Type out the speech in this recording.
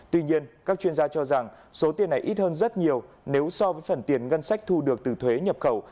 tuy nhiên các chuyên gia cho rằng số tiền này ít hơn rất nhiều nếu so với phần tiền ngân sách thu được từ thuế nhập khẩu